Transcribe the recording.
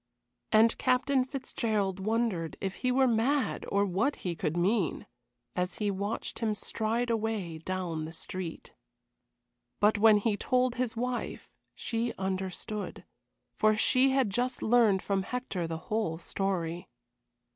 And Captain Fitzgerald wondered if he were mad or what he could mean, as he watched him stride away down the street. But when he told his wife, she understood, for she had just learned from Hector the whole story.